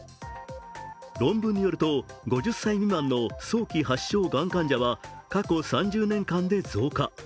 論文によると、５０歳未満の早期発症がん患者は過去３０年間で増加。